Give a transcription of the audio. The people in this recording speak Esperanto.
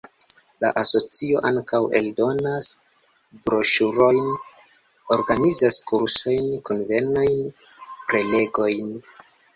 La asocio ankaŭ eldonas broŝurojn, organizas kursojn, kunvenojn, prelegojn.